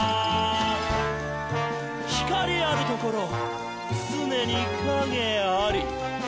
「光あるところ、つねに影あり！」